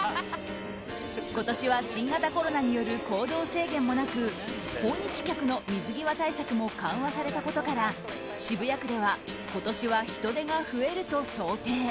今年は新型コロナによる行動制限もなく訪日客の水際対策も緩和されたことから渋谷区では今年は人出が増えると想定。